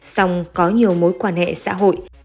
xong có nhiều mối quan hệ xã hội